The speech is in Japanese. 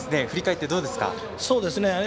振り返ってどうですか？